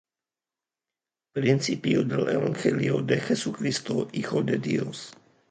Principio del evangelio de Jesucristo, Hijo de Dios.